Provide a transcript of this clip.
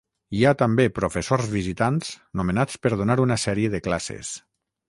Hi ha també professors visitants nomenats per donar una sèrie de classes.